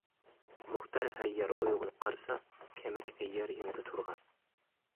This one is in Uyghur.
مۇختەر ھەييار ئويغىنىپ قارىسا، كەمەك ھەييار يېنىدا تۇرغان.